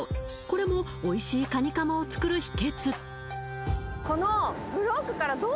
これもおいしいカニカマを作る秘訣